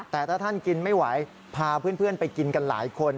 แต่ถ้าท่านกินไม่ไหวพาเพื่อนไปกินกันหลายคน